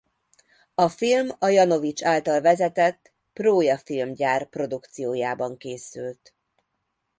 A film a Janovics által vezetett Proja Filmgyár produkciójában készült.